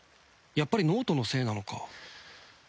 やっぱり脳人のせいなのか？